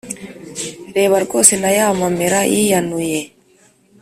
reba rwose na ya mamera yiyanuye!"